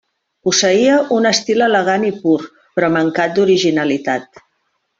Posseïa un estil elegant i pur però mancat d'originalitat.